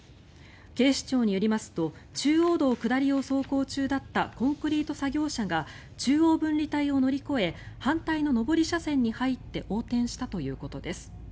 警視庁によりますと中央道下りを走行中だったコンクリート作業車が中央分離帯を乗り越え反対の上り車線に入って横転したということです。